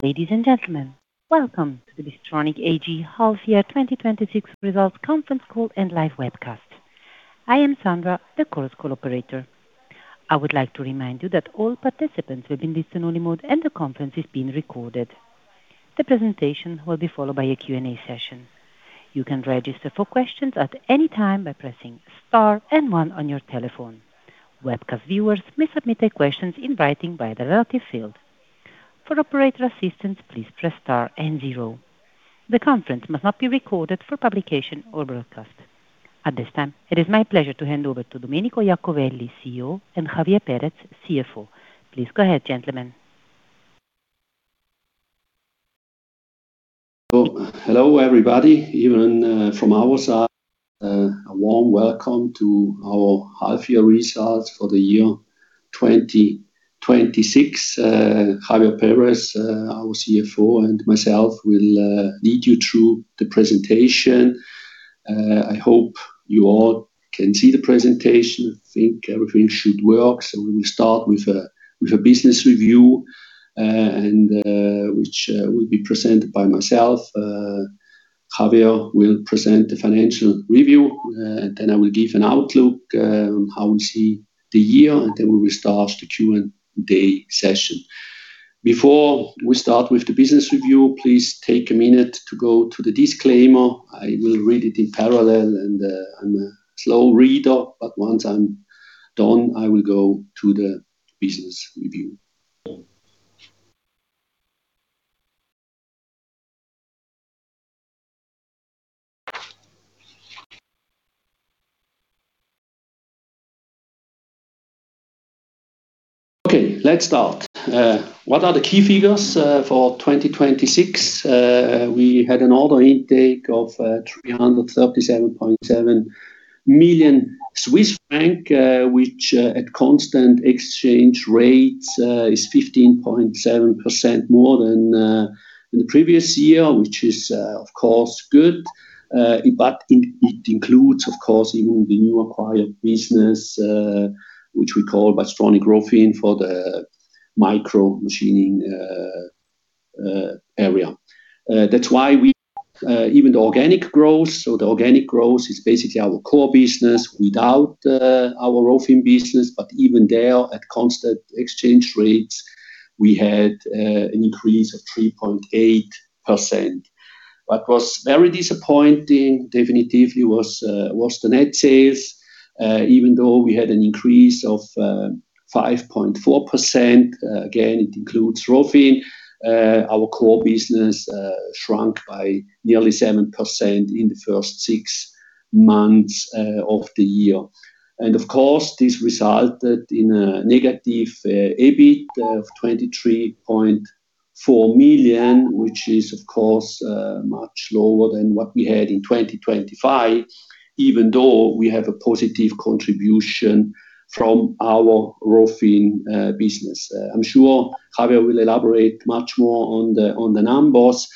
Ladies and gentlemen, welcome to the Bystronic AG half year 2026 results conference call and live webcast. I am Sandra, the conference call operator. I would like to remind you that all participants have been placed on only mode and the conference is being recorded. The presentation will be followed by a Q&A session. You can register for questions at any time by pressing star and one on your telephone. Webcast viewers may submit their questions in writing by the relative field. For operator assistance, please press star and zero. The conference must not be recorded for publication or broadcast. At this time, it is my pleasure to hand over to Domenico Iacovelli, CEO, and Javier Perez, CFO. Please go ahead, gentlemen. Hello, everybody. Even from our side, a warm welcome to our half-year results for the year 2026. Javier Perez, our CFO, and myself will lead you through the presentation. I hope you all can see the presentation. I think everything should work. We will start with a business review, which will be presented by myself. Javier will present the financial review. I will give an outlook on how we see the year. We will start the Q&A session. Before we start with the business review, please take a minute to go to the disclaimer. I will read it in parallel. I'm a slow reader, but once I'm done, I will go to the business review. Let's start. What are the key figures for 2026? We had an order intake of 337.7 million Swiss franc, which at constant exchange rates is 15.7% more than in the previous year, which is of course good. It includes, of course, even the new acquired business, which we call Bystronic Rofin for the micro-machining area. That's why even the organic growth, the organic growth is basically our core business without our Rofin business. Even there, at constant exchange rates, we had an increase of 3.8%. What was very disappointing definitively was the net sales. Even though we had an increase of 5.4%, again, it includes Rofin. Our core business shrunk by nearly 7% in the first six months of the year. Of course, this resulted in a negative EBIT of 23.4 million, which is, of course, much lower than what we had in 2025, even though we have a positive contribution from our Rofin business. I'm sure Javier will elaborate much more on the numbers.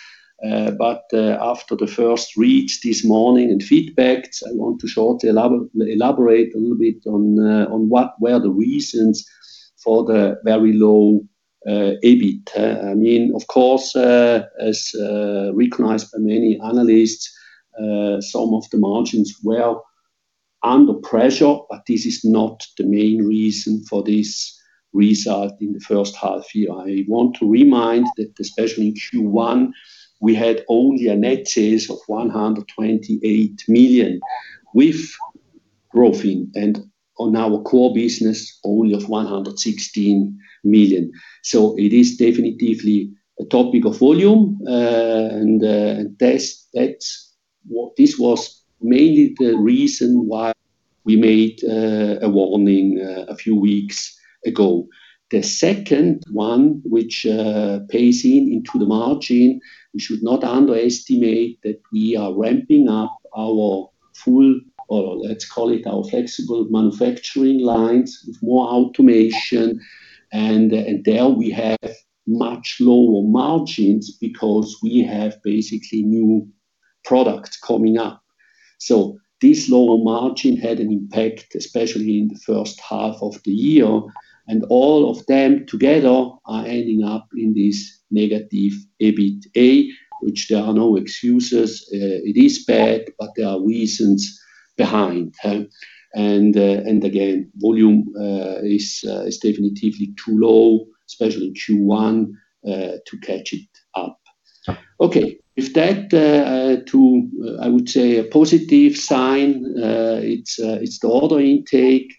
After the first reads this morning and feedbacks, I want to shortly elaborate a little bit on what were the reasons for the very low EBIT. Of course, as recognized by many analysts, some of the margins were under pressure, but this is not the main reason for this result in the first half year. I want to remind that especially in Q1, we had only a net sales of 128 million with Rofin and on our core business, only of 116 million. It is definitively a topic of volume. This was mainly the reason why we made a warning a few weeks ago. The second one, which pays into the margin, we should not underestimate that we are ramping up our flexible manufacturing lines with more automation. There we have much lower margins because we have basically new products coming up. This lower margin had an impact, especially in the first half of the year, all of them together are ending up in this negative EBITDA, which there are no excuses. It is bad, but there are reasons behind. Again, volume is definitively too low, especially in Q1, to catch it up. With that, I would say a positive sign, it's the order intake.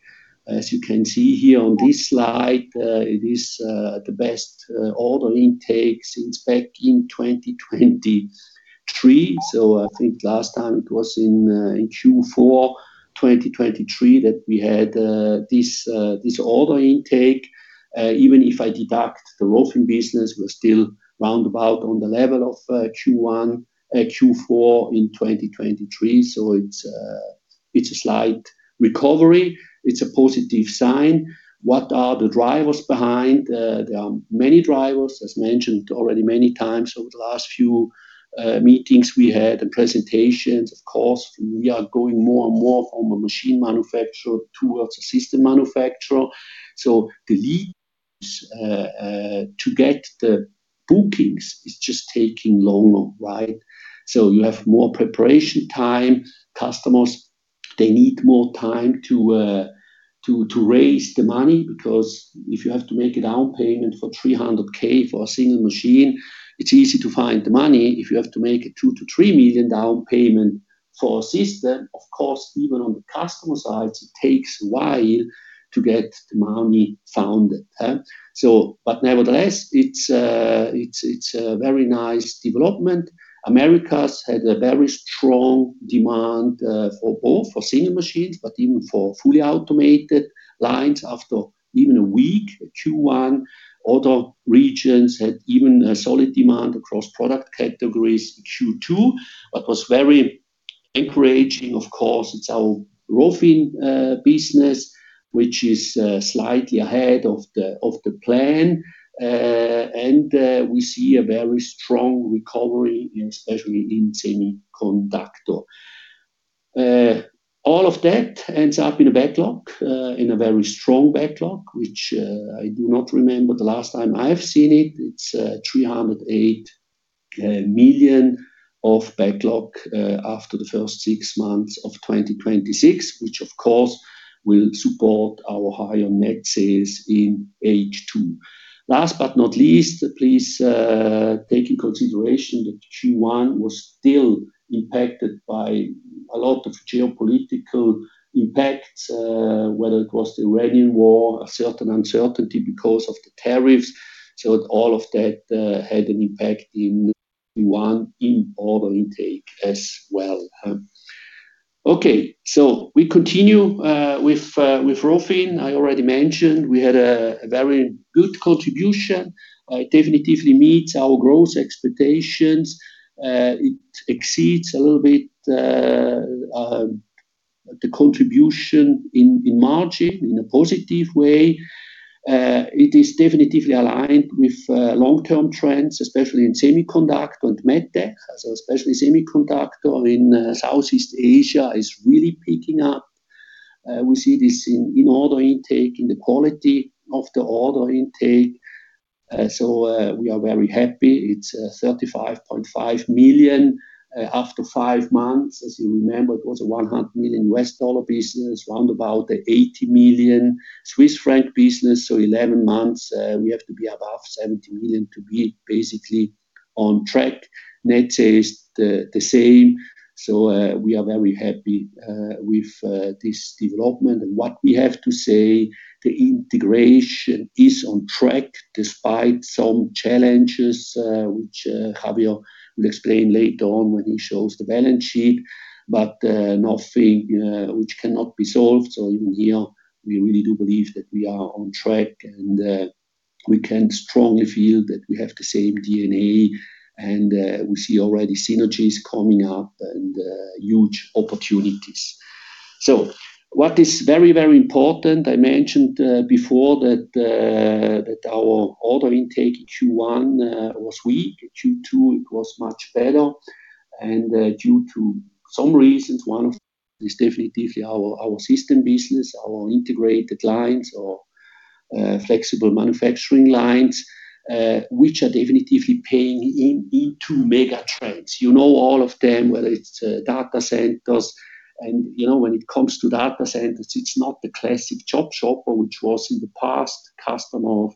As you can see here on this slide, it is the best order intake since back in 2023. I think last time it was in Q4 2023 that we had this order intake. Even if I deduct the Rofin business, we're still roundabout on the level of Q4 2023. It's a slight recovery. It's a positive sign. What are the drivers behind? Many drivers, as mentioned already many times over the last few meetings we had and presentations, of course. We are going more and more from a machine manufacturer towards a system manufacturer. The lead to get the bookings is just taking longer. You have more preparation time. Customers, they need more time to raise the money, because if you have to make a down payment for 300,000 for a single machine, it's easy to find the money. If you have to make a 2 million-3 million down payment for a system, of course, even on the customer side, it takes a while to get the money funded. Nevertheless, it's a very nice development. Americas had a very strong demand for both for single machines, but even for fully automated lines after even a weak Q1. Other regions had even a solid demand across product categories in Q2. What was very encouraging, of course, it's our Rofin business, which is slightly ahead of the plan. We see a very strong recovery, especially in semiconductor. All of that ends up in a very strong backlog, which I do not remember the last time I have seen it. It's 308 million of backlog after the first six months of 2026, which of course will support our higher net sales in H2. Last but not least, please take in consideration that Q1 was still impacted by a lot of geopolitical impacts, whether it was the Iranian war, a certain uncertainty because of the tariffs. All of that had an impact in Q1 in order intake as well. We continue with Rofin. I already mentioned we had a very good contribution. Definitively meets our growth expectations. Exceeds a little bit the contribution in margin in a positive way. Definitively aligned with long-term trends, especially in semiconductor and MedTech. Especially semiconductor in Southeast Asia is really picking up. We see this in order intake, in the quality of the order intake. We are very happy. It's 35.5 million after five months. As you remember, it was a $100 million business, round about 80 million Swiss franc business. 11 months, we have to be above 70 million to be basically on track. Net sales the same. We are very happy with this development. What we have to say, the integration is on track despite some challenges, which Javier will explain later on when he shows the balance sheet, but nothing which cannot be solved. Even here, we really do believe that we are on track, we can strongly feel that we have the same DNA, and we see already synergies coming up and huge opportunities. What is very, very important, I mentioned before that our order intake in Q1 was weak. In Q2, it was much better. Due to some reasons, one of which is definitely our system business, our integrated lines or flexible manufacturing lines, which are definitely paying into megatrends. You know all of them, whether it's data centers, and when it comes to data centers, it's not the classic chop shop which was in the past customer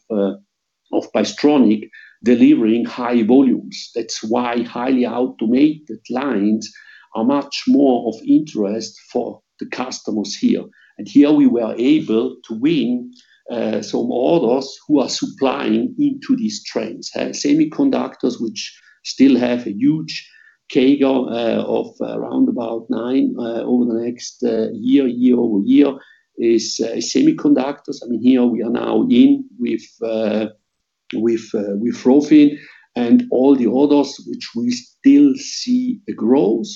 of Bystronic delivering high volumes. Highly automated lines are much more of interest for the customers here. Here we were able to win some orders who are supplying into these trends. Semiconductors, which still have a huge CAGR of around about nine over the next year-over-year is semiconductors. Here we are now in with Rofin and all the orders which we still see a growth.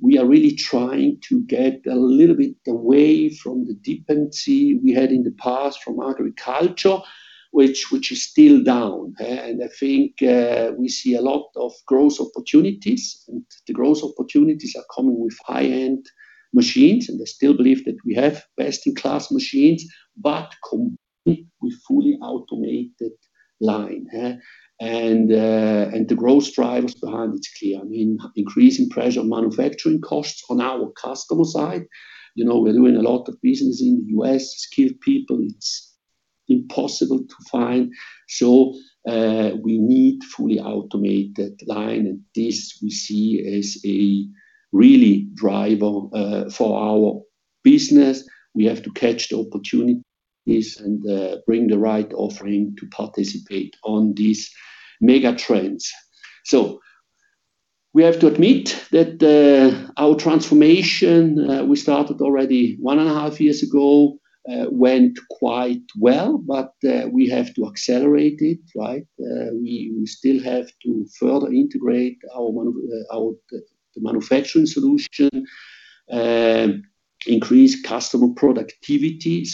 We are really trying to get a little bit away from the dependency we had in the past from agriculture, which is still down. I think we see a lot of growth opportunities, and the growth opportunities are coming with high-end machines, but combined with fully automated line. The growth drivers behind it's clear. Increasing pressure on manufacturing costs on our customer side. We're doing a lot of business in the U.S. Skilled people, it's impossible to find. We need fully automated line, and this we see as a really driver for our business. We have to catch the opportunities and bring the right offering to participate on these megatrends. We have to admit that our transformation, we started already one and a half years ago, went quite well, but we have to accelerate it. We still have to further integrate our manufacturing solution, increase customer productivity.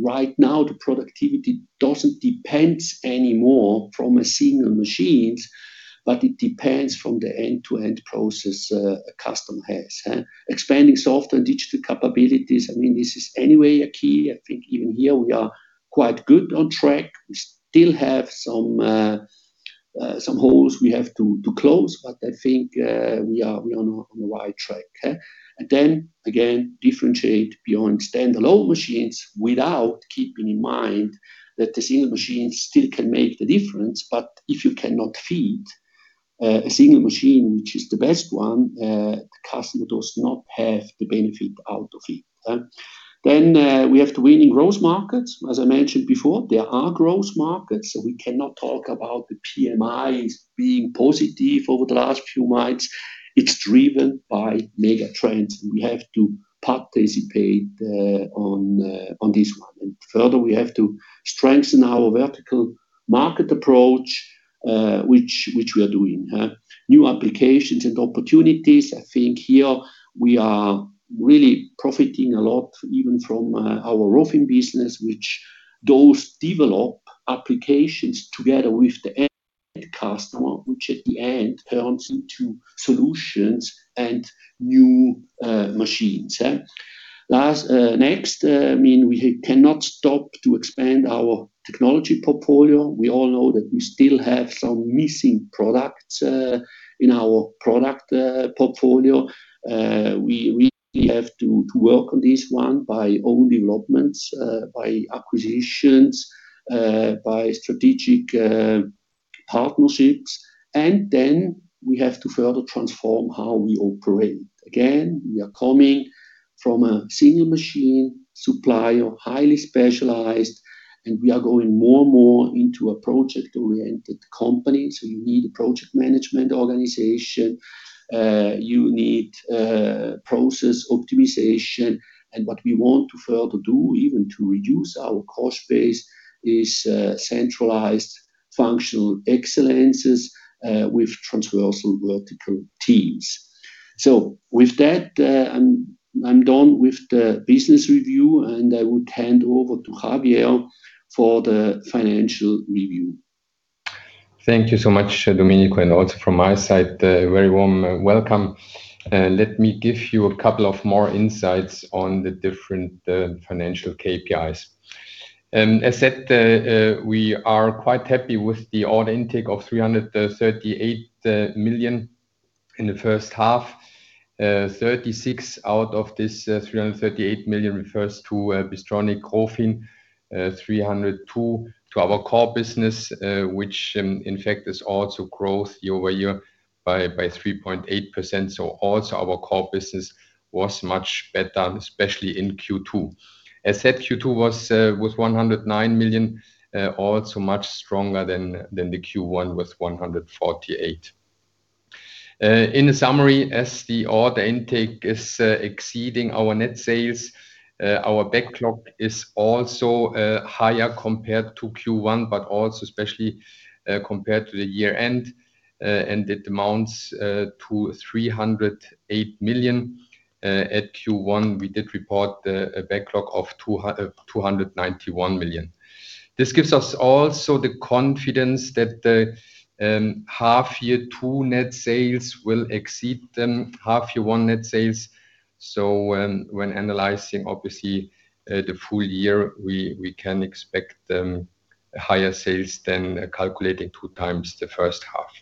Right now, the productivity doesn't depend anymore from a single machine, but it depends from the end-to-end process a customer has. Expanding software and digital capabilities, this is anyway a key. I think even here we are quite good on track. We still have some holes we have to close, but I think we are on the right track. Again, differentiate beyond standalone machines without keeping in mind that the single machine still can make the difference, but if you cannot feed a single machine, which is the best one, the customer does not have the benefit out of it. We have to win in growth markets. As I mentioned before, there are growth markets, we cannot talk about the PMIs being positive over the last few months. It's driven by megatrends, and we have to participate on this one. Further, we have to strengthen our vertical market approach, which we are doing. New applications and opportunities, I think here we are really profiting a lot, even from our Rofin business, which those develop applications together with the end customer, which at the end turns into solutions and new machines. We cannot stop to expand our technology portfolio. We all know that we still have some missing products in our product portfolio. We have to work on this one by own developments, by acquisitions, by strategic partnerships. We have to further transform how we operate. Again, we are coming from a single machine supplier, highly specialized, and we are going more and more into a project-oriented company. You need a project management organization. You need process optimization. What we want to further do, even to reduce our cost base, is centralized functional excellences with transversal vertical teams. With that, I'm done with the business review, and I would hand over to Javier for the financial review. Thank you so much, Domenico, and also from my side, a very warm welcome. Let me give you a couple of more insights on the different financial KPIs. As said, we are quite happy with the order intake of 338 million in the first half. 36 out of this 338 million refers to Bystronic Rofin, 302 to our core business, which in fact is also growth year-over-year by 3.8%. Also our core business was much better, especially in Q2. As said, Q2 was 190 million, also much stronger than the Q1 with 148. In summary, as the order intake is exceeding our net sales, our backlog is also higher compared to Q1, but also especially compared to the year-end, and it amounts to 308 million. At Q1, we did report a backlog of 291 million. This gives us also the confidence that the half-year two net sales will exceed the half-year one net sales. When analyzing, obviously, the full year, we can expect higher sales than calculating two times the first half.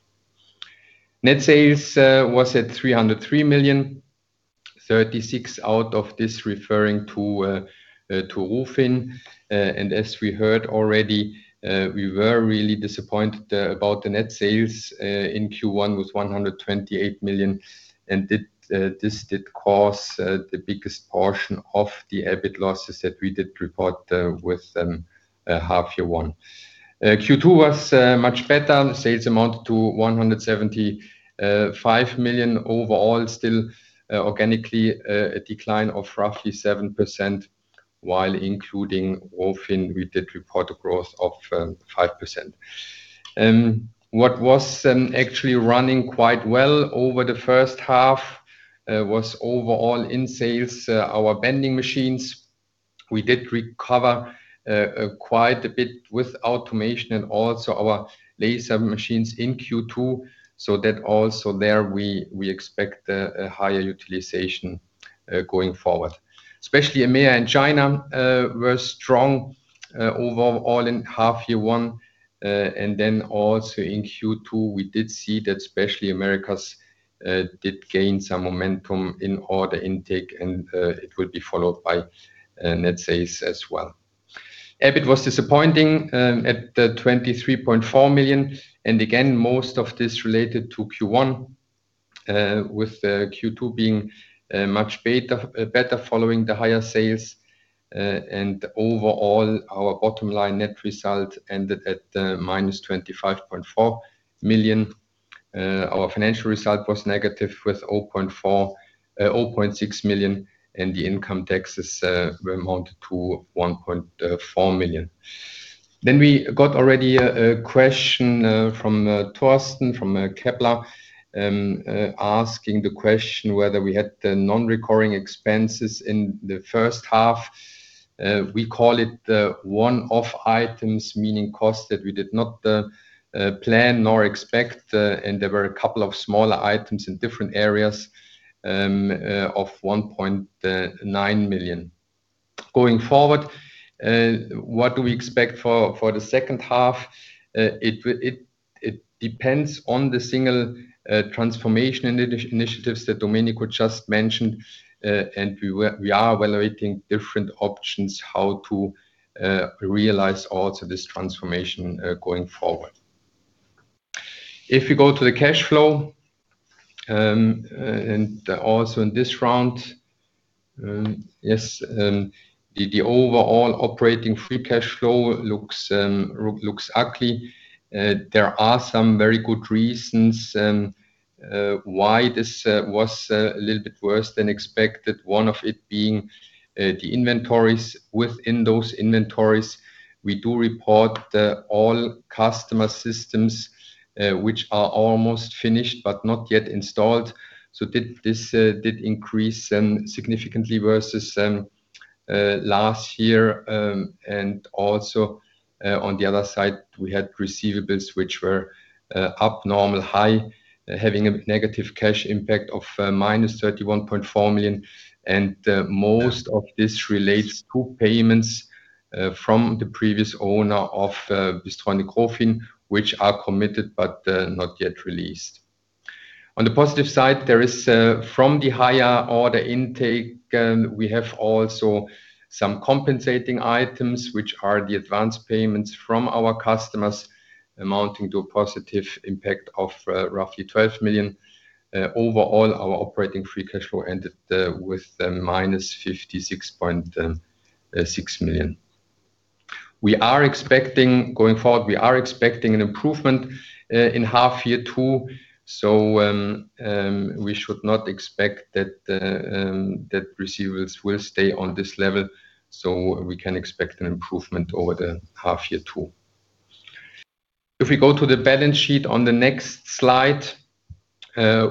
Net sales was at 303 million, 36 out of this referring to Bystronic Rofin. As we heard already, we were really disappointed about the net sales in Q1 with 128 million, and this did cause the biggest portion of the EBIT losses that we did report with half-year one. Q2 was much better. Sales amounted to 175 million overall, still organically a decline of roughly 7%, while including Bystronic Rofin, we did report a growth of 5%. What was actually running quite well over the first half was overall in sales, our bending machines, we did recover quite a bit with automation and also our laser machines in Q2. That also there we expect a higher utilization going forward. Especially EMEA and China were strong overall in half year one. Also in Q2, we did see that especially Americas did gain some momentum in order intake, and it will be followed by net sales as well. EBIT was disappointing at 23.4 million, and again, most of this related to Q1, with Q2 being much better following the higher sales. Overall, our bottom line net result ended at -25.4 million. Our financial result was negative with 0.6 million, and the income taxes amounted to 1.4 million. We got already a question from Torsten, from Kepler Cheuvreux, asking the question whether we had the non-recurring expenses in the first half. We call it the one-off items, meaning costs that we did not plan nor expect, there were a couple of smaller items in different areas of 1.9 million. Going forward, what do we expect for the second half? It depends on the single transformation initiatives that Domenico just mentioned, and we are evaluating different options how to realize also this transformation going forward. If you go to the cash flow, also in this round, yes, the overall operating free cash flow looks ugly. There are some very good reasons why this was a little bit worse than expected. One of it being the inventories. Within those inventories, we do report all customer systems which are almost finished but not yet installed. This did increase significantly versus last year. Also, on the other side, we had receivables which were up, normal high, having a negative cash impact of -31.4 million. Most of this relates to payments from the previous owner of Bystronic Rofin, which are committed but not yet released. On the positive side, from the higher order intake, we have also some compensating items, which are the advance payments from our customers amounting to a positive impact of roughly 12 million. Overall, our operating free cash flow ended with a -56.6 million. Going forward, we are expecting an improvement in half-year two. We should not expect that receivables will stay on this level. We can expect an improvement over the half-year two. If we go to the balance sheet on the next slide,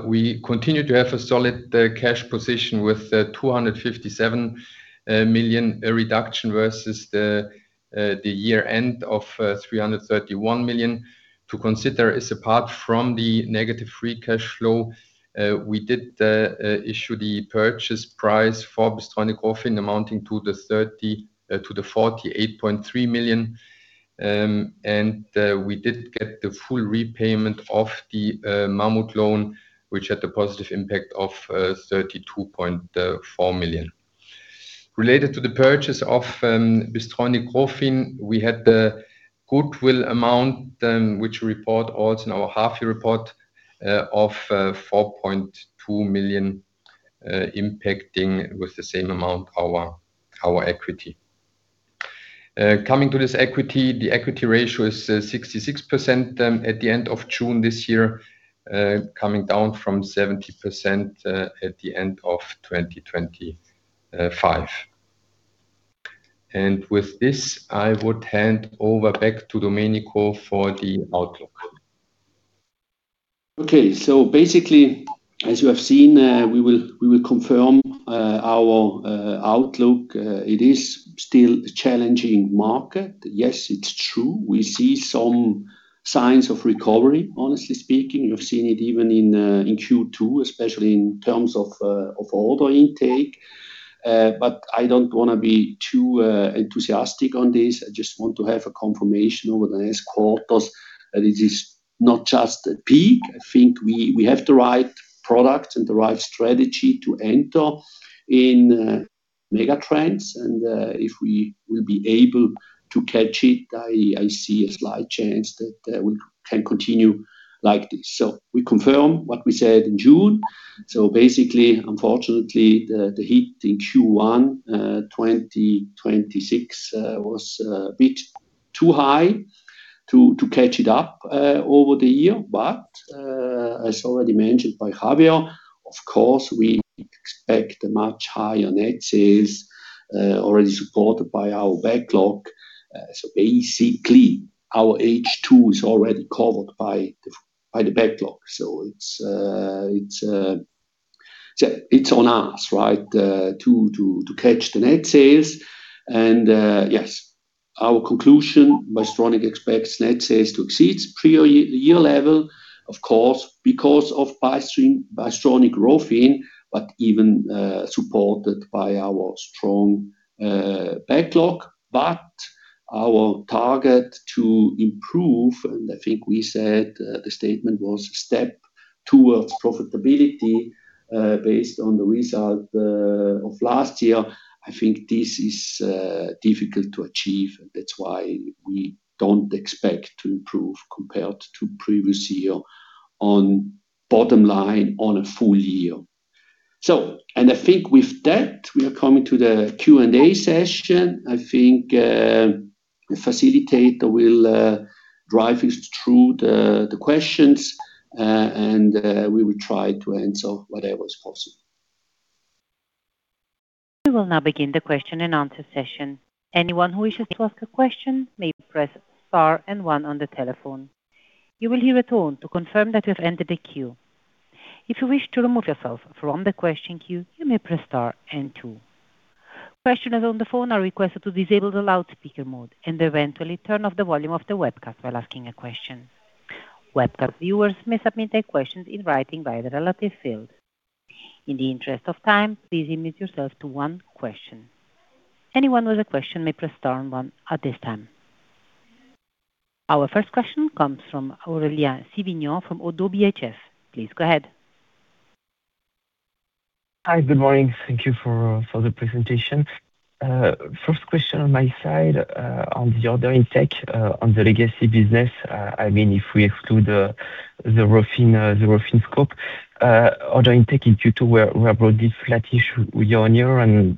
we continue to have a solid cash position with 257 million reduction versus the year-end of 331 million. To consider is apart from the negative free cash flow, we did issue the purchase price for Bystronic Rofin amounting to the 48.3 million, we did get the full repayment of the Mammut loan, which had a positive impact of 32.4 million. Related to the purchase of Bystronic Rofin, we had the goodwill amount, which we report also in our half-year report of 4.2 million, impacting with the same amount our equity. Coming to this equity, the equity ratio is 66% at the end of June this year, coming down from 70% at the end of 2025. With this, I would hand over back to Domenico for the outlook. Okay. Basically, as you have seen, we will confirm our outlook. It is still a challenging market. Yes, it's true. We see some signs of recovery. Honestly speaking, you've seen it even in Q2, especially in terms of order intake. I don't want to be too enthusiastic on this. I just want to have a confirmation over the next quarters that it is not just a peak. I think we have the right product and the right strategy to enter in mega trends, and if we will be able to catch it, I see a slight chance that we can continue like this. We confirm what we said in June. Basically, unfortunately, the hit in Q1 2026 was a bit too high to catch it up over the year. As already mentioned by Javier, of course, we expect a much higher net sales already, supported by our backlog. Basically our H2 is already covered by the backlog. It's on us, right, to catch the net sales. Yes, our conclusion, Bystronic expects net sales to exceed its prior year level, of course, because of Bystronic Rofin, but even supported by our strong backlog. Our target to improve, and I think we said the statement was a step towards profitability based on the result of last year. I think this is difficult to achieve. That's why we don't expect to improve compared to previous year on bottom line on a full year. I think with that, we are coming to the Q&A session. I think the facilitator will drive us through the questions, and we will try to answer whatever is possible. We will now begin the question-and-answer session. Anyone who wishes to ask a question may press star and one on the telephone. You will hear a tone to confirm that you have entered the queue. If you wish to remove yourself from the question queue, you may press star and two. Questioners on the phone are requested to disable the loudspeaker mode and eventually turn off the volume of the webcast while asking a question. Webcast viewers may submit their questions in writing via the relative field. In the interest of time, please limit yourself to one question. Anyone with a question may press star one at this time. Our first question comes from Aurelien Sivignon from ODDO BHF. Please go ahead. Hi. Good morning. Thank you for the presentation. First question on my side on the order intake on the legacy business, if we exclude the Rofin scope, order intake in Q2 were broadly flattish year-on-year.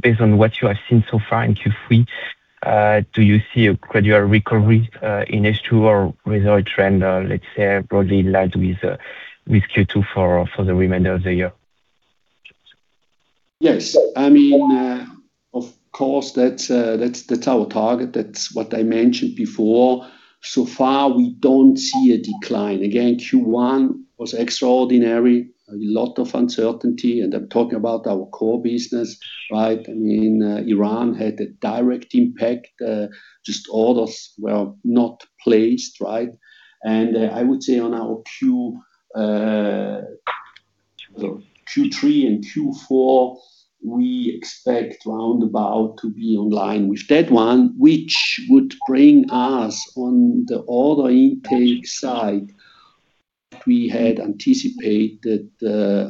Based on what you have seen so far in Q3, do you see a gradual recovery in H2 or result trend, let's say, broadly in line with Q2 for the remainder of the year? Yes. Of course, that's our target. That's what I mentioned before. So far, we don't see a decline. Again, Q1 was extraordinary. A lot of uncertainty, and I'm talking about our core business, right? Iran had a direct impact. Just orders were not placed, right? I would say on our Q3 and Q4, we expect roundabout to be in line with that one, which would bring us on the order intake side we had anticipated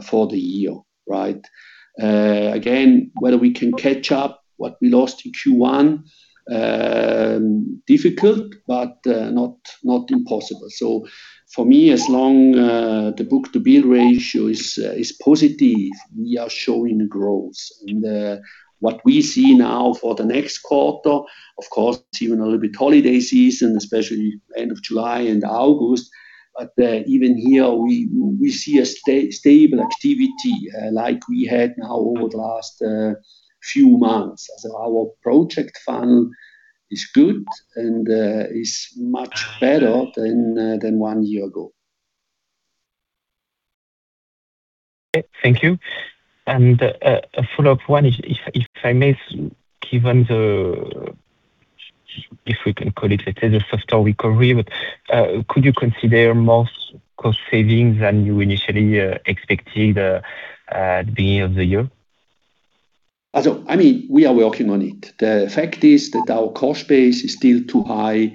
for the year, right? Again, whether we can catch up what we lost in Q1, difficult but not impossible. For me, as long the book-to-bill ratio is positive, we are showing growth. What we see now for the next quarter, of course, it's even a little bit holiday season, especially end of July and August. But even here, we see a stable activity like we had now over the last few months. Our project funnel is good and is much better than one year ago. Okay, thank you. A follow-up one, if I may, given the, if we can call it, let's say the softer recovery, could you consider more cost savings than you initially expected at the beginning of the year? We are working on it. The fact is that our cost base is still too high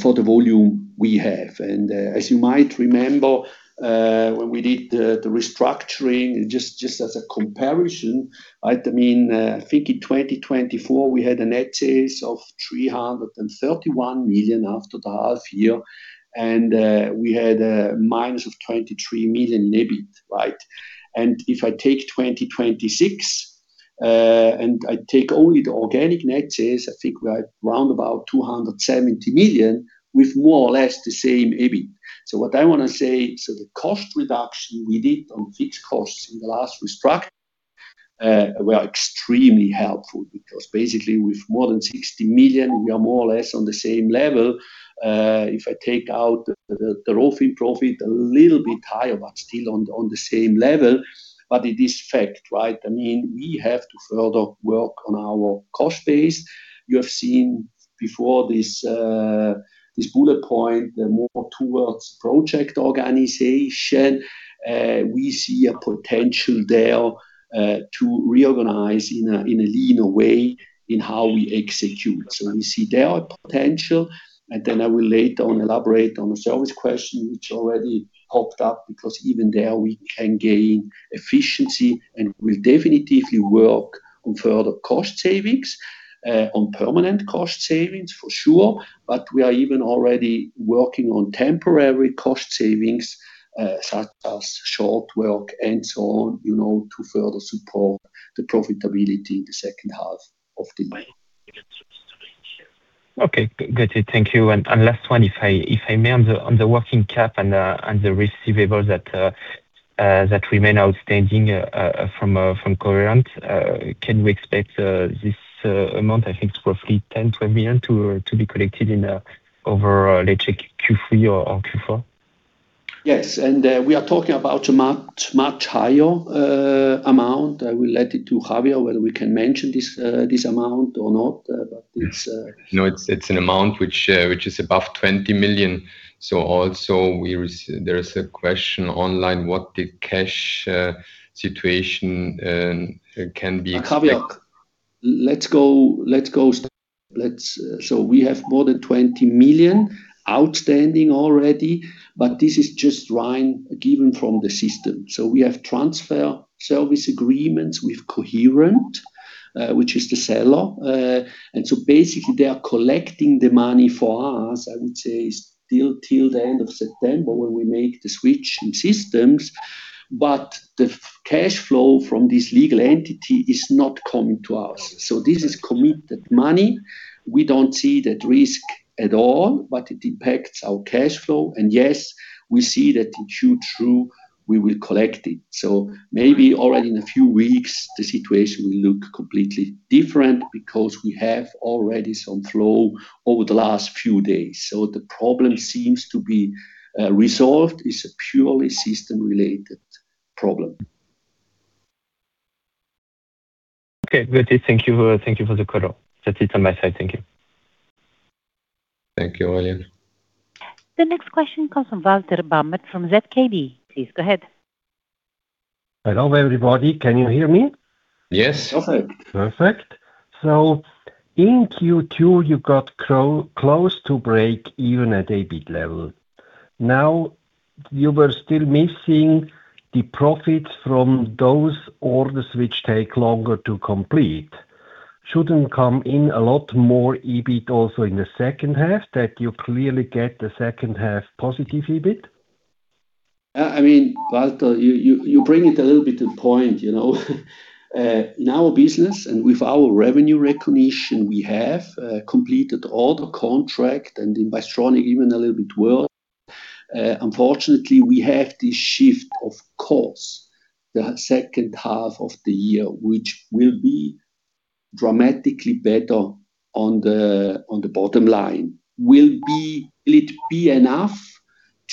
for the volume we have. As you might remember, when we did the restructuring, just as a comparison, I think in 2024, we had a net sales of 331 million after the half year, and we had a minus of 23 million in EBIT, right? If I take 2026, and I take only the organic net sales, I think right roundabout 270 million with more or less the same EBIT. What I want to say, the cost reduction we did on fixed costs in the last restructuring, were extremely helpful because basically with more than 60 million, we are more or less on the same level. If I take out the Rofin profit, a little bit higher, but still on the same level. It is fact, right? We have to further work on our cost base. You have seen before this bullet point, the more towards project organization. We see a potential there to reorganize in a leaner way in how we execute. We see there a potential, then I will later on elaborate on the service question, which already popped up, because even there, we can gain efficiency, and will definitively work on further cost savings, on permanent cost savings for sure. We are even already working on temporary cost savings, such as short-time work and so on, to further support the profitability in the second half of the year. Okay, got it. Thank you. Last one, if I may, on the working cap and the receivables that remain outstanding from Coherent, can we expect this amount, I think it's roughly 10 million, 20 million, to be collected in over, let's check, Q3 or Q4? Yes, we are talking about a much higher amount. I will let it to Javier whether we can mention this amount or not. No, it's an amount which is above 20 million. Also there is a question online what the cash situation can be. Javier, let's go. We have more than 20 million outstanding already, this is just given from the system. We have transitional service agreements with Coherent, which is the seller. Basically, they are collecting the money for us, I would say, still till the end of September when we make the switch in systems. The cash flow from this legal entity is not coming to us. This is committed money. We don't see that risk at all, it impacts our cash flow. Yes, we see that in Q2 we will collect it. Maybe already in a few weeks, the situation will look completely different because we have already some flow over the last few days. The problem seems to be resolved. It's a purely system-related problem. Okay, great. Thank you for the call. That's it on my side. Thank you. Thank you, Aurelien. The next question comes from Walter Bamert from ZKB. Please go ahead. Hello, everybody. Can you hear me? Yes. Perfect. Perfect. In Q2, you got close to break-even at EBIT level. You were still missing the profits from those orders which take longer to complete. Shouldn't come in a lot more EBIT also in the second half, that you clearly get the second half positive EBIT? Walter, you bring it a little bit to point. In our business and with our revenue recognition, we have completed all the contract, and in Bystronic, even a little bit more. Unfortunately, we have this shift, of course, the second half of the year, which will be dramatically better on the bottom line. Will it be enough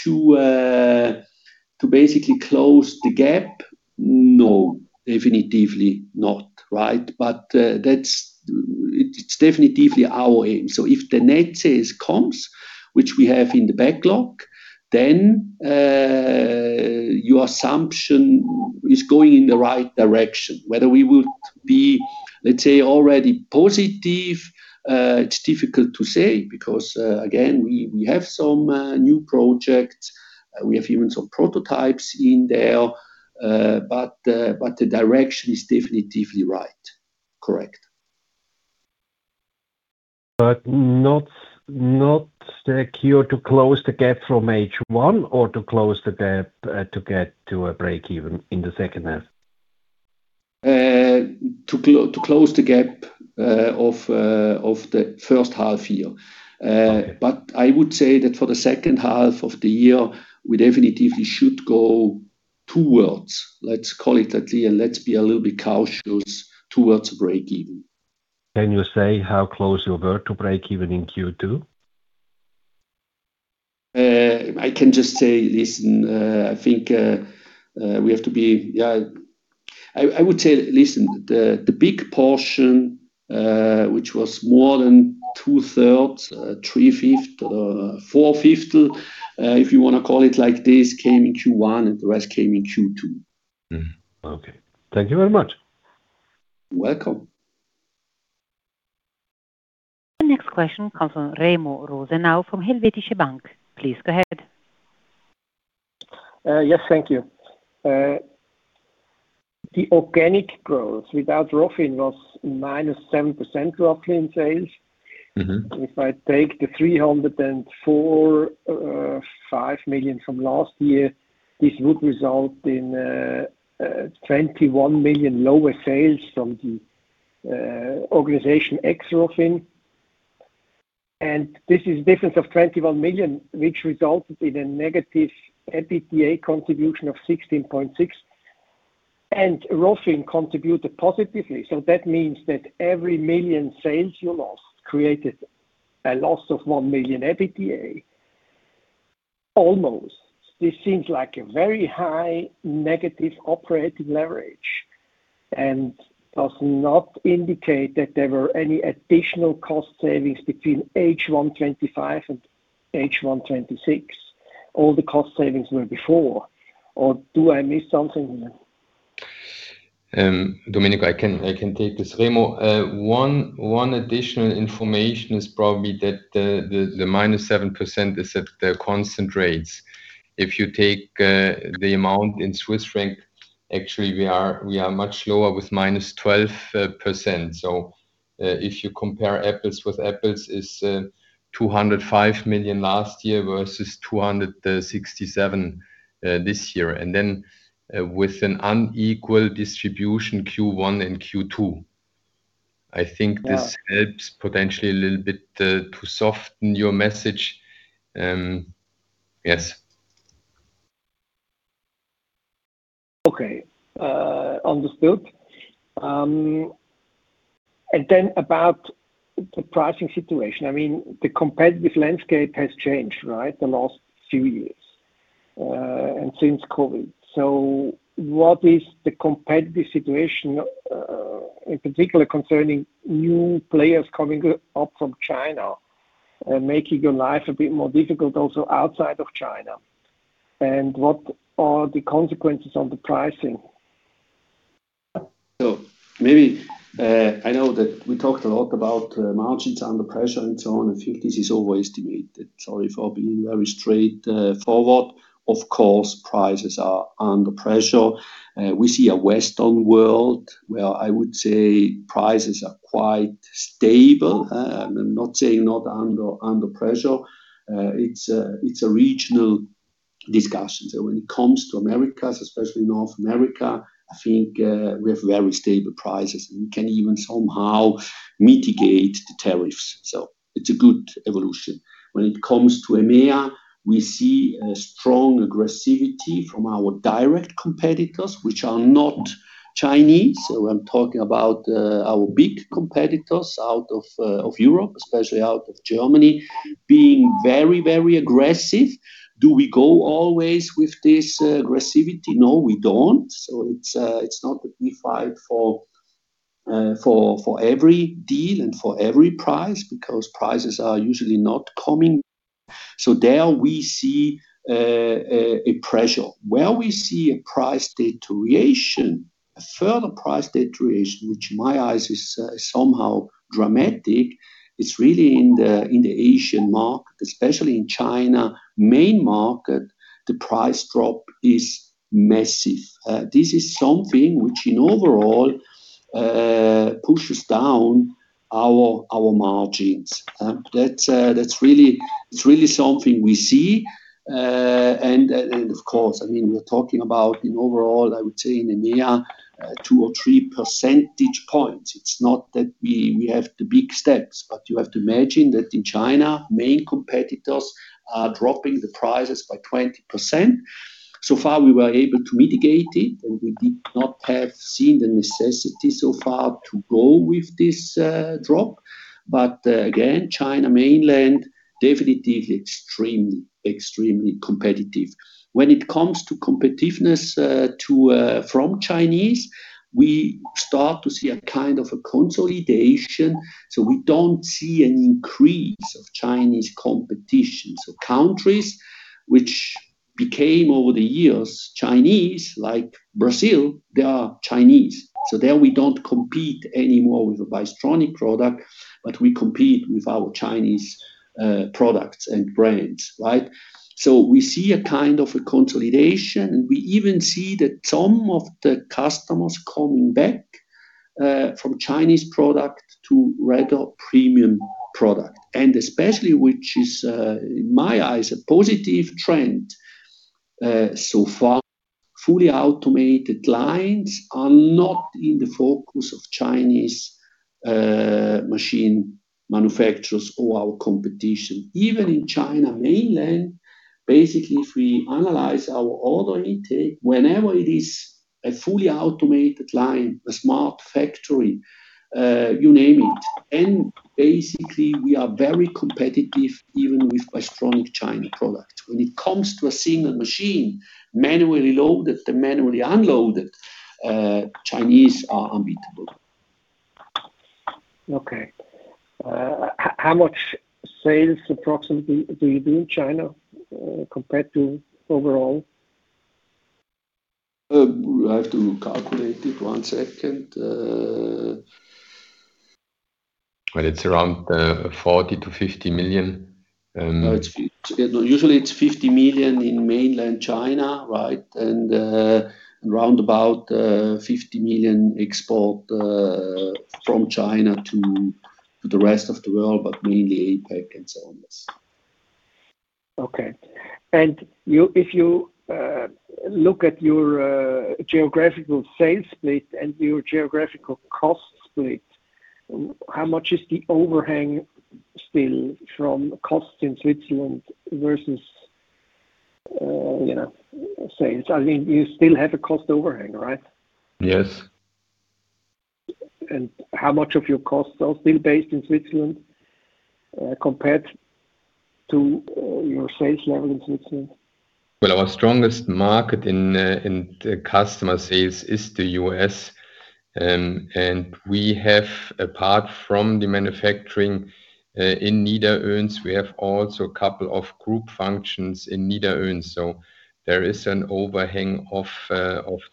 to basically close the gap? No, definitively not. It's definitively our aim. If the net sales comes, which we have in the backlog, then your assumption is going in the right direction. Whether we would be, let's say, already positive, it's difficult to say because, again, we have some new projects. We have even some prototypes in there. The direction is definitively right. Correct. Not secure to close the gap from H1 or to close the gap to get to a break-even in the second half. To close the gap of the first half year. I would say that for the second half of the year, we definitively should go towards, let's call it that here, let's be a little bit cautious, towards break-even. Can you say how close you were to break-even in Q2? I can just say this. I would say, listen, the big portion, which was more than two-thirds, three-fifths, four-fifths, if you want to call it like this, came in Q1 and the rest came in Q2. Okay. Thank you very much. You're welcome. The next question comes from Remo Rosenau from Helvetische Bank. Please go ahead. Yes, thank you. The organic growth without Rofin was -7% roughly in sales. If I take the 304.5 million from last year, this would result in 21 million lower sales from the organization ex Rofin. This is difference of 21 million, which resulted in a negative EBITDA contribution of 16.6 million, and Rofin contributed positively. That means that every 1 million sales you lost created a loss of 1 million EBITDA, almost. This seems like a very high negative operating leverage, does not indicate that there were any additional cost savings between H1 2025 and H1 2026. All the cost savings were before. Or do I miss something here? Domenico, I can take this. Remo, one additional information is probably that the -7% is at the constant rates. If you take the amount in Swiss franc, actually we are much lower with -12%. If you compare apples with apples, it's 205 million last year versus 267 million this year. Then with an unequal distribution Q1 and Q2. I think this helps potentially a little bit to soften your message. Yes. Okay. Understood. Then about the pricing situation. The competitive landscape has changed, right? The last few years, and since COVID. What is the competitive situation, in particular concerning new players coming up from China and making your life a bit more difficult also outside of China? What are the consequences on the pricing? I know that we talked a lot about margins under pressure and so on. I think this is overestimated. Sorry for being very straightforward. Of course, prices are under pressure. We see a Western world where I would say prices are quite stable. I am not saying not under pressure. It is a regional discussion. When it comes to Americas, especially North America, I think we have very stable prices, and we can even somehow mitigate the tariffs. It is a good evolution. When it comes to EMEA, we see a strong aggressivity from our direct competitors, which are not Chinese. I am talking about our big competitors out of Europe, especially out of Germany, being very aggressive. Do we go always with this aggressivity? No, we do not. It is not that we fight for every deal and for every price, because prices are usually not coming. There we see a pressure. Where we see a price deterioration, a further price deterioration, which in my eyes is somehow dramatic, it is really in the Asian market, especially in China main market, the price drop is massive. This is something which in overall, pushes down our margins. It is really something we see. Of course, we are talking about in overall, I would say in the near two or three percentage points. It is not that we have the big steps. You have to imagine that in China, main competitors are dropping the prices by 20%. So far, we were able to mitigate it, and we did not have seen the necessity so far to go with this drop. Again, China mainland, definitely extremely competitive. When it comes to competitiveness from Chinese, we start to see a kind of a consolidation. We do not see an increase of Chinese competition. Countries which became, over the years, Chinese, like Brazil, they are Chinese. There we do not compete anymore with a Bystronic product, but we compete with our Chinese products and brands. Right? We see a kind of a consolidation, and we even see that some of the customers coming back from Chinese product to regular premium product. Especially, which is, in my eyes, a positive trend so far, fully automated lines are not in the focus of Chinese machine manufacturers or our competition. Even in China mainland, basically, if we analyze our order intake, whenever it is a fully automated line, a smart factory, you name it. Basically, we are very competitive even with Bystronic China product. When it comes to a single machine, manually loaded and manually unloaded, Chinese are unbeatable. Okay. How much sales approximately do you do in China, compared to overall? I have to calculate it. One second. Well, it's around 40 million-50 million. Usually it's 50 million in mainland China, right? Round about 50 million export from China to the rest of the world, but mainly APAC and so on. Okay. If you look at your geographical sales split and your geographical cost split, how much is the overhang still from cost in Switzerland versus sales? You still have a cost overhang, right? Yes. How much of your costs are still based in Switzerland compared to your sales level in Switzerland? Well, our strongest market in customer sales is the U.S. We have, apart from the manufacturing, in Niederönz, we have also a couple of group functions in Niederönz. There is an overhang of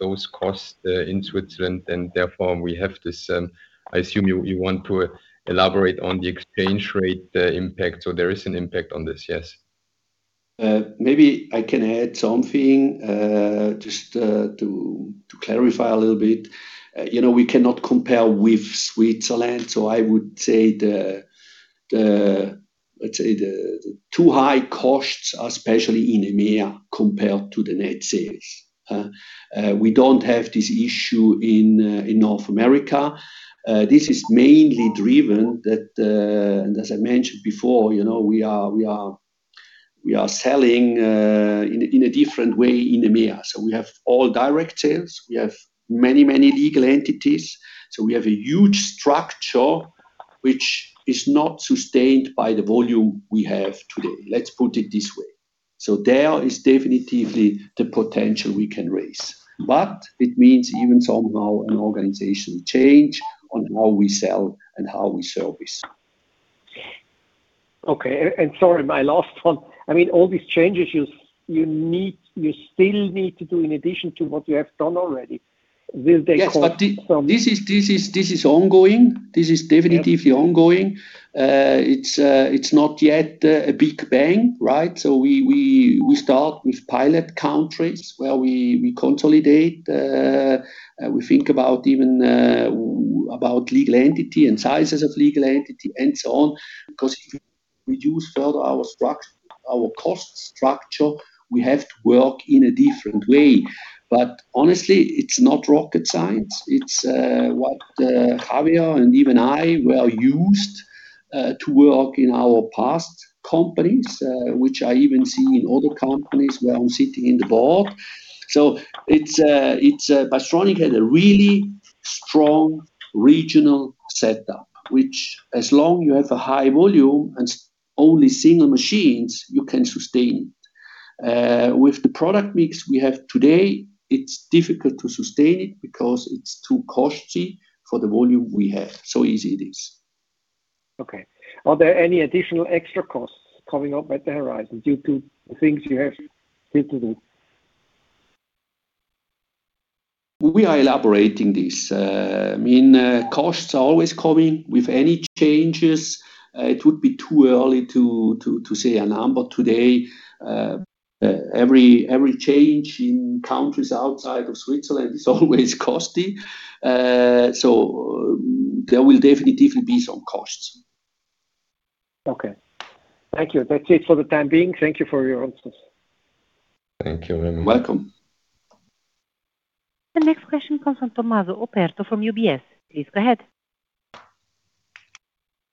those costs in Switzerland, and therefore, we have this. I assume you want to elaborate on the exchange rate impact. There is an impact on this, yes. Maybe I can add something, just to clarify a little bit. We cannot compare with Switzerland. I would say the too high costs, especially in EMEA, compared to the net sales. We don't have this issue in North America. This is mainly driven that, and as I mentioned before, we are selling in a different way in EMEA. We have all direct sales. We have many legal entities. We have a huge structure which is not sustained by the volume we have today. Let's put it this way. There is definitively the potential we can raise. It means even somehow an organizational change on how we sell and how we service. Okay. Sorry, my last one. All these changes you still need to do in addition to what you have done already. Will they cost? Yes, this is ongoing. This is definitively ongoing. It's not yet a big bang, right? We start with pilot countries where we consolidate. We think even about legal entity and sizes of legal entity and so on. Because if we reduce further our cost structure, we have to work in a different way. Honestly, it's not rocket science. It's what Javier and even I were used to work in our past companies, which I even see in other companies where I'm sitting in the board. Bystronic had a really strong regional setup, which as long you have a high volume and only single machines, you can sustain. With the product mix we have today, it's difficult to sustain it because it's too costly for the volume we have. Easy it is. Okay. Are there any additional extra costs coming up at the horizon due to the things you have yet to do? We are elaborating this. Costs are always coming with any changes. It would be too early to say a number today. Every change in countries outside of Switzerland is always costly. There will definitely be some costs. Okay. Thank you. That's it for the time being. Thank you for your answers. Thank you very much. Welcome. The next question comes from Tommaso Operto from UBS. Please go ahead.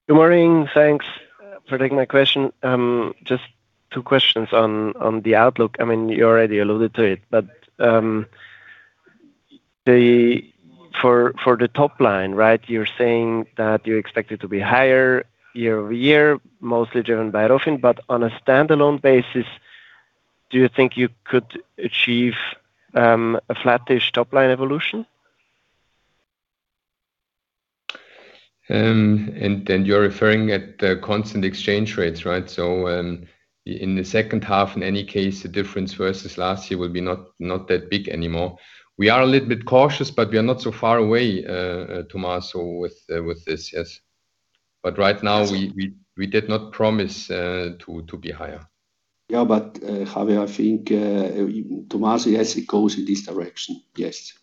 Good morning. Thanks for taking my question. Just two questions on the outlook. You already alluded to it, but for the top line, you're saying that you expect it to be higher year-over-year, mostly driven by Rofin, but on a standalone basis, do you think you could achieve a flattish top-line evolution? You're referring at the constant exchange rates, right? In the second half, in any case, the difference versus last year will be not that big anymore. We are a little bit cautious, but we are not so far away, Tommaso, with this. Yes. Right now, we did not promise to be higher. Yeah, Javier, I think, Tommaso, yes, it goes in this direction. Yes.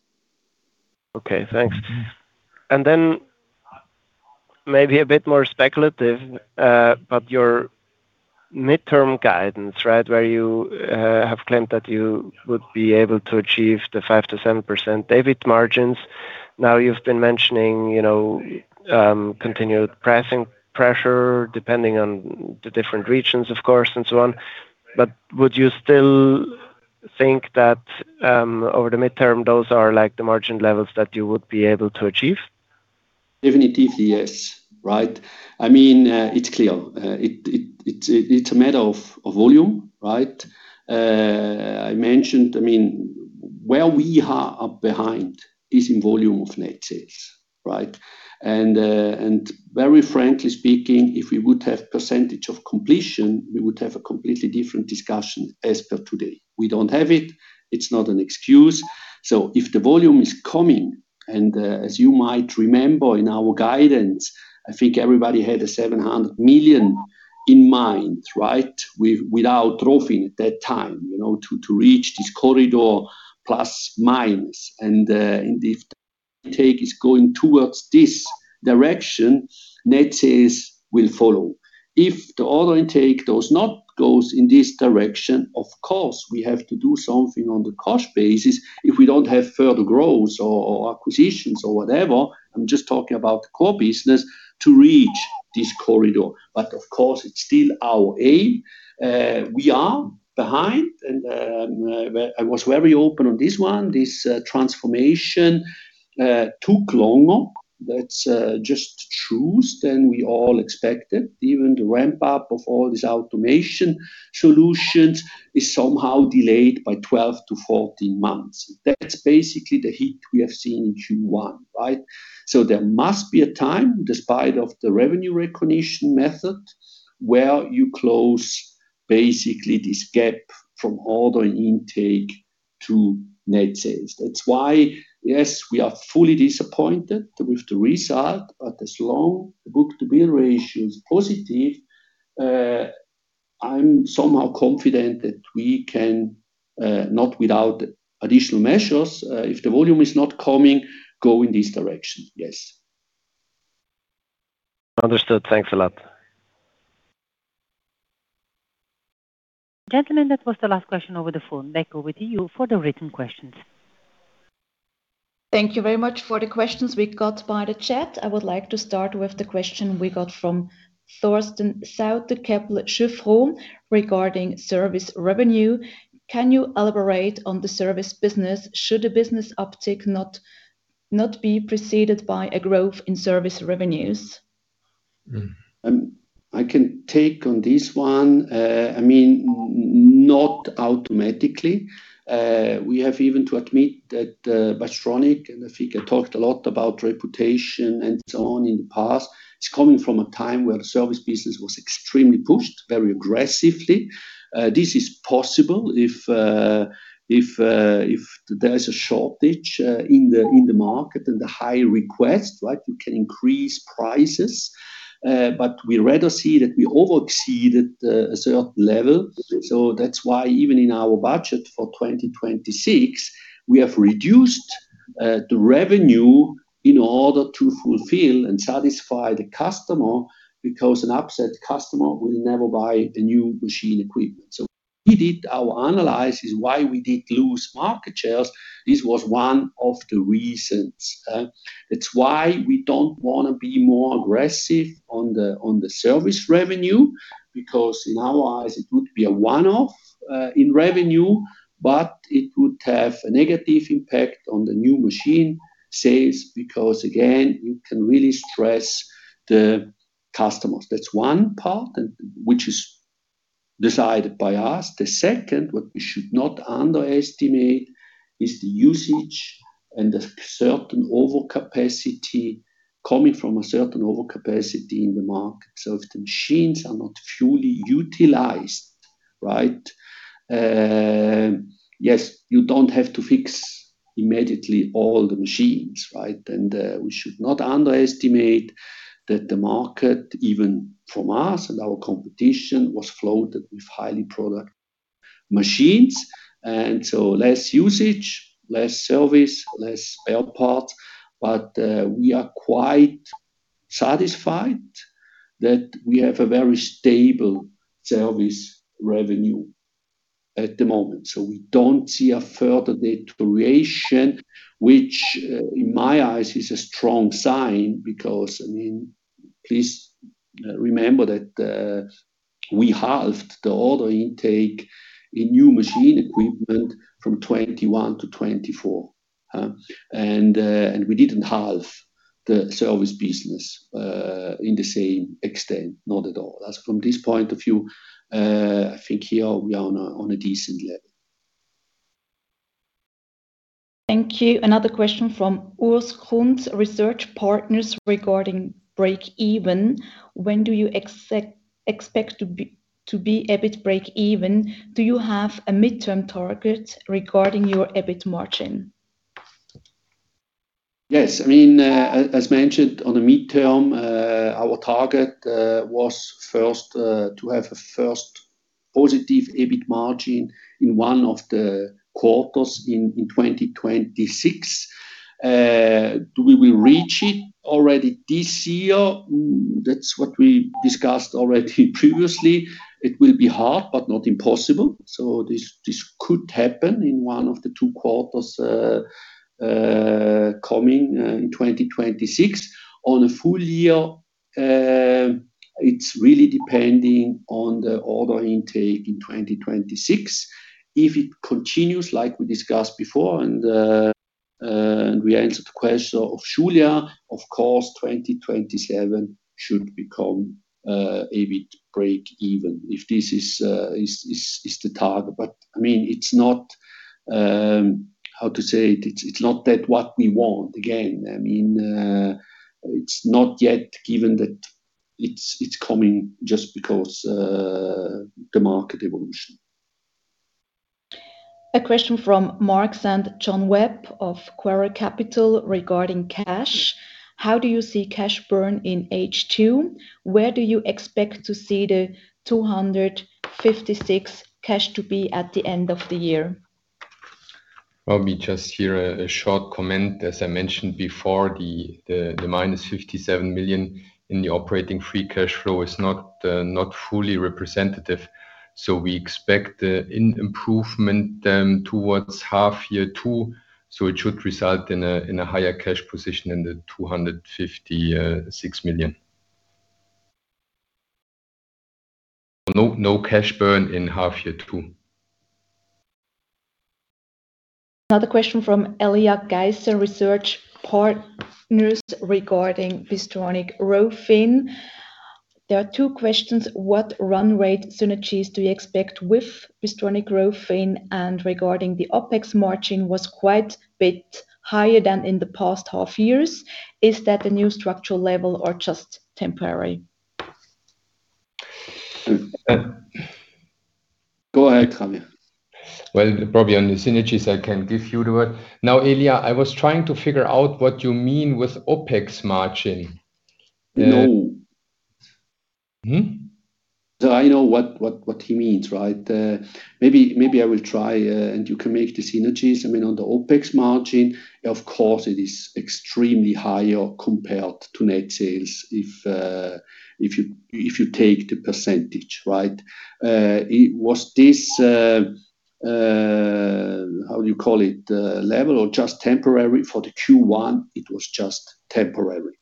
Okay, thanks. Then maybe a bit more speculative, your midterm guidance where you have claimed that you would be able to achieve the 5%-7% EBIT margins. Now you've been mentioning continued pricing pressure, depending on the different regions, of course, and so on. Would you still think that, over the midterm, those are the margin levels that you would be able to achieve? Definitely yes. It's clear. It's a matter of volume. I mentioned, where we are behind is in volume of net sales. Very frankly speaking, if we would have percentage of completion, we would have a completely different discussion as per today. We don't have it. It's not an excuse. If the volume is coming, and as you might remember in our guidance, I think everybody had a 700 million in mind. With, without Rofin at that time, to reach this corridor plus minus. If the intake is going towards this direction, net sales will follow. If the order intake does not go in this direction, of course, we have to do something on the cost basis if we don't have further growth or acquisitions or whatever. I'm just talking about the core business to reach this corridor. Of course, it's still our aim. We are behind, and I was very open on this one. This transformation took longer. That's just the truth, than we all expected. Even the ramp-up of all this automation solutions is somehow delayed by 12-14 months. That's basically the hit we have seen in Q1. There must be a time, despite of the revenue recognition method, where you close basically this gap from order intake to net sales. That's why, yes, we are fully disappointed with the result, but as long the book-to-bill ratio is positive, I'm somehow confident that we can, not without additional measures, if the volume is not coming, go in this direction. Yes. Understood. Thanks a lot. Gentlemen, that was the last question over the phone. Back over to you for the written questions. Thank you very much for the questions we got by the chat. I would like to start with the question we got from Torsten Sauter, Kepler Cheuvreux, regarding service revenue. Can you elaborate on the service business? Should a business uptick not be preceded by a growth in service revenues? I can take on this one. Not automatically. We have even to admit that Bystronic, and I think I talked a lot about reputation and so on in the past. It's coming from a time where the service business was extremely pushed very aggressively. This is possible if there is a shortage in the market and the high request. You can increase prices. We rather see that we over exceeded a certain level. That's why even in our budget for 2026, we have reduced the revenue in order to fulfill and satisfy the customer because an upset customer will never buy a new machine equipment. We did our analysis why we did lose market shares. This was one of the reasons. That's why we don't want to be more aggressive on the service revenue, because in our eyes, it would be a one-off in revenue, but it would have a negative impact on the new machine sales because again, you can really stress customers. That's one part, which is decided by us. The second, what we should not underestimate, is the usage and the certain overcapacity, coming from a certain overcapacity in the market. If the machines are not fully utilized. Yes, you don't have to fix immediately all the machines. We should not underestimate that the market, even from us and our competition, was flooded with highly product machines. Less usage, less service, less spare parts. We are quite satisfied that we have a very stable service revenue at the moment. We don't see a further deterioration, which in my eyes is a strong sign because, please remember that we halved the order intake in new machine equipment from 2021 to 2024. We didn't halve the service business in the same extent. Not at all. From this point of view, I think here we are on a decent level. Thank you. Another question from Urs Kunz, Research Partners, regarding break-even. When do you expect to be EBIT break-even? Do you have a midterm target regarding your EBIT margin? Yes. As mentioned on the midterm, our target was first to have a first positive EBIT margin in one of the quarters in 2026. Do we will reach it already this year? That's what we discussed already previously. It will be hard, but not impossible. This could happen in one of the two quarters coming in 2026. On a full year, it's really depending on the order intake in 2026. If it continues like we discussed before, and we answered the question of [Julia], of course, 2027 should become EBIT break-even. If this is the target. It's not, how to say it's not that what we want. Again, it's not yet given that it's coming just because the market evolution. A question from Marc Saint John Webb of Quaero Capital regarding cash. How do you see cash burn in H2? Where do you expect to see the 256 cash to be at the end of the year? Well, me just hear a short comment. As I mentioned before, the -57 million in the operating free cash flow is not fully representative. We expect an improvement towards half-year two, it should result in a higher cash position in the 256 million. No cash burn in half-year two. Another question from Elia Geiser, Research Partners, regarding Bystronic Rofin. There are two questions. What run rate synergies do you expect with Bystronic Rofin? Regarding the OpEx margin was quite bit higher than in the past half years. Is that a new structural level or just temporary? Go ahead, Javier. Well, probably on the synergies I can give you the word. Elia, I was trying to figure out what you mean with OpEx Margin. No. I know what he means. Maybe I will try, and you can make the synergies. On the OpEx Margin, of course, it is extremely higher compared to net sales if you take the percentage. Was this, how you call it, level or just temporary? For the Q1, it was just temporary.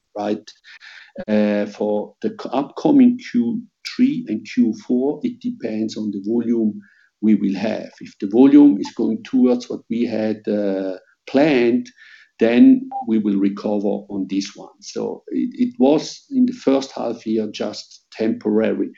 For the upcoming Q3 and Q4, it depends on the volume we will have. If the volume is going towards what we had planned, then we will recover on this one. It was, in the first half year, just temporary.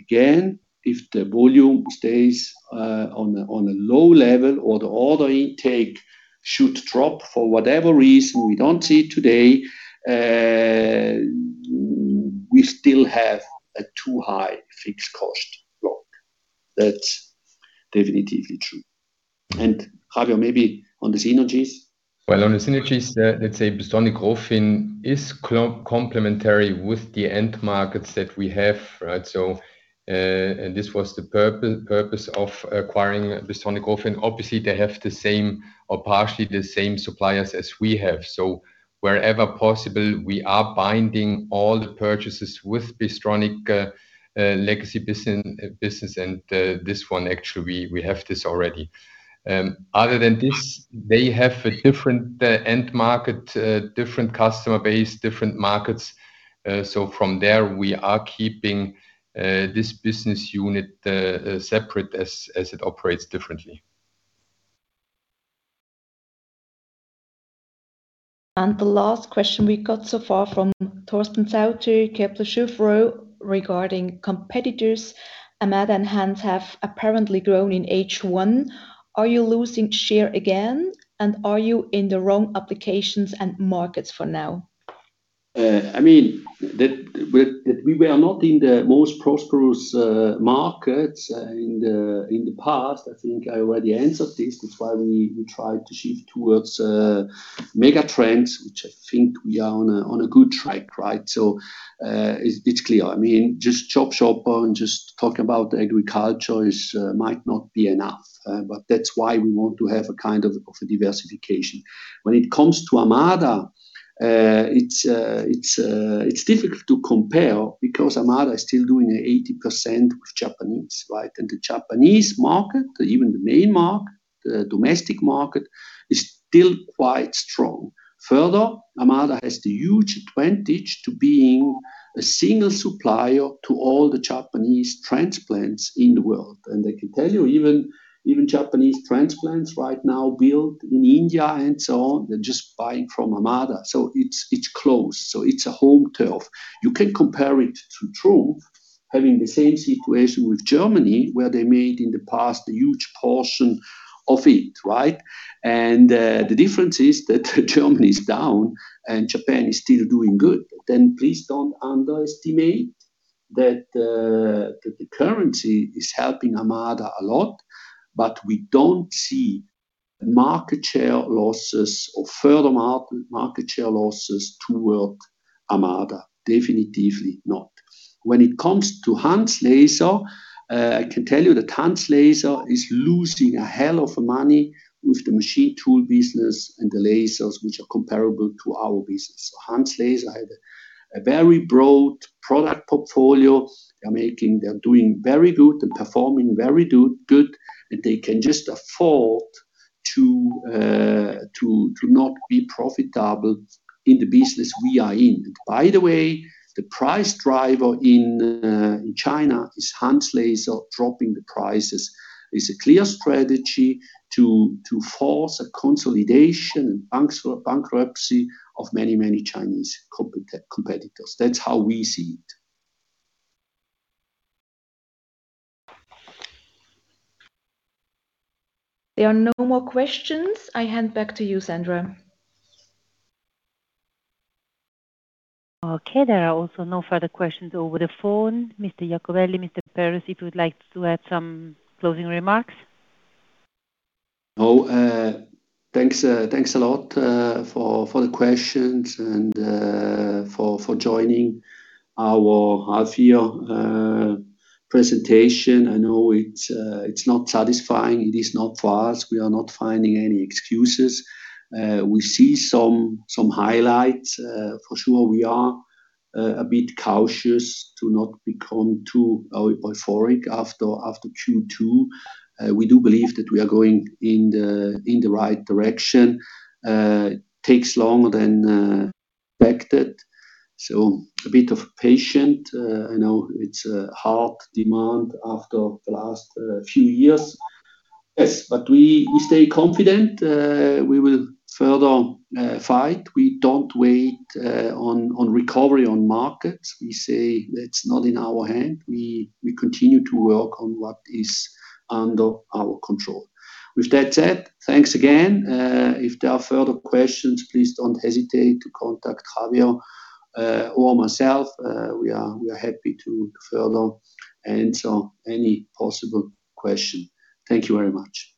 Again, if the volume stays on a low level or the order intake should drop for whatever reason, we don't see it today, we still have a too high fixed cost block. That's definitely true. Javier, maybe on the synergies. Well, on the synergies, let's say Bystronic Rofin is complementary with the end markets that we have. This was the purpose of acquiring Bystronic Rofin. Obviously, they have the same or partially the same suppliers as we have. Wherever possible, we are binding all the purchases with Bystronic legacy business and this one, actually, we have this already. Other than this, they have a different end market, different customer base, different markets. From there, we are keeping this business unit separate as it operates differently. The last question we got so far from Torsten Sauter, Kepler Cheuvreux, regarding competitors. AMADA and Han's have apparently grown in H1. Are you losing share again? Are you in the wrong applications and markets for now? We were not in the most prosperous markets in the past, I think I already answered this. That's why we tried to shift towards mega trends, which I think we are on a good track. It's clear. Just chop and just talk about agriculture might not be enough. That's why we want to have a kind of a diversification. When it comes to AMADA, it's difficult to compare because AMADA is still doing 80% with Japanese. The Japanese market, even the main market, the domestic market, is still quite strong. Further, AMADA has the huge advantage to being a single supplier to all the Japanese transplants in the world. I can tell you, even Japanese transplants right now built in India and so on, they're just buying from AMADA. It's close. It's a home turf. You can compare it to Trumpf having the same situation with Germany, where they made in the past a huge portion of it. The difference is that Germany is down and Japan is still doing good. Please don't underestimate that the currency is helping AMADA a lot, but we don't see market share losses or further market share losses toward AMADA, definitively not. When it comes to Han's Laser, I can tell you that Han's Laser is losing a hell of money with the machine tool business and the lasers, which are comparable to our business. Han's Laser have a very broad product portfolio. They are doing very good. They're performing very good, and they can just afford to not be profitable in the business we are in. By the way, the price driver in China is Han's Laser dropping the prices. It's a clear strategy to force a consolidation and bankruptcy of many Chinese competitors. That's how we see it. There are no more questions. I hand back to you, Sandra. Okay. There are also no further questions over the phone. Mr. Iacovelli, Mr. Perez, if you would like to add some closing remarks. Thanks a lot for the questions and for joining our half year presentation. I know it's not satisfying. It is not for us. We are not finding any excuses. We see some highlights. For sure, we are a bit cautious to not become too euphoric after Q2. We do believe that we are going in the right direction. It takes longer than expected, so a bit of patient. I know it's a hard demand after the last few years. Yes, we stay confident. We will further fight. We don't wait on recovery on markets. We say that's not in our hand. We continue to work on what is under our control. With that said, thanks again. If there are further questions, please don't hesitate to contact Javier or myself. We are happy to further answer any possible question. Thank you very much.